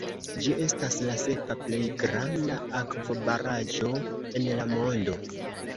Ĝi estas la sepa plej granda akvobaraĵo en la mondo.